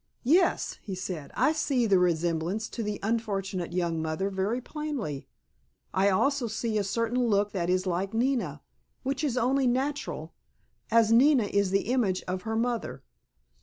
"Yes," he said, "I see the resemblance to the unfortunate young mother very plainly. I also see a certain look that is like Nina, which is only natural, as Nina is the image of her mother."